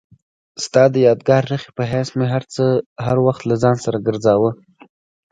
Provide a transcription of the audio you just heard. ستا د یادګار نښې په حیث مې هر وخت له ځان سره ګرځاوه.